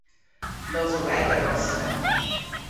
Losoweger os ta.